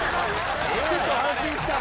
ちょっと安心した。